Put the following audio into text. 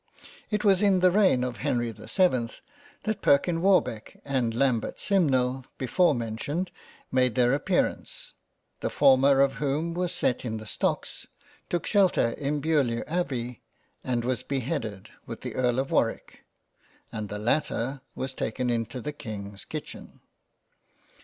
It was in the reign of Henry the 7th that Perkin Warbeck and Lambert Simnel before mentioned made their appearance, the former of whom was set in the stocks, took shelter in Beaulieu Abbey, and was beheaded with the Earl of Warwick, and the latter was taken into the Kings kitchen.